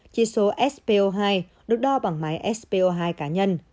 chỉ số spo hai được đo bằng máy spo hai cá nhân